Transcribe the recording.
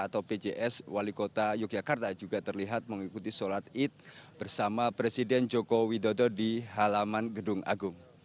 atau pjs wali kota yogyakarta juga terlihat mengikuti sholat id bersama presiden joko widodo di halaman gedung agung